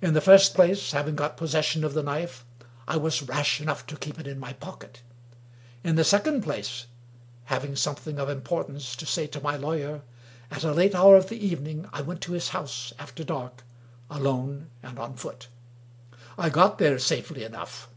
In the first place, having got possession of the knife, I was rash enough to keep it in my pocket. In the second place, having something of importance to say to my law yer, at a late hour of the evening, I went to his house after dark — alone and on foot. I got there safely enough.